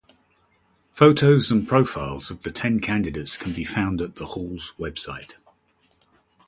Photos and profiles of the ten candidates can be found at the Hall's website.